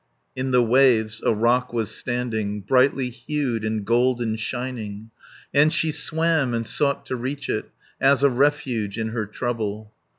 In the waves a rock was standing, Brightly hued and golden shining; And she swam and sought to reach it, As a refuge in her trouble.